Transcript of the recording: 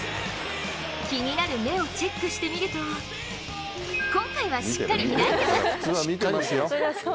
気になる目をチェックしてみると今回はしっかり開いてます！